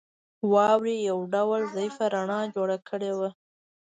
واورې یو ډول ضعیفه رڼا جوړه کړې وه